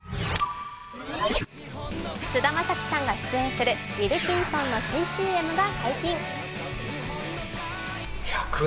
菅田将暉さんが出演するウィルキンソンの新ＣＭが解禁。